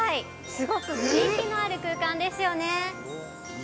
すごく雰囲気のある空間ですよね。